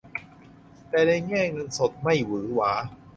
แต่ในแง่เงินสดไม่หวือหวา